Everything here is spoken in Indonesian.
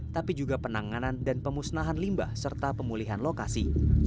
tapi juga penanganan dan pemusnahan limbah serta pemulihan lokasi